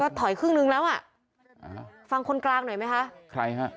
ถอยครึ่งนึงแล้วอ่ะฟังคนกลางหน่อยไหมคะใครฮะ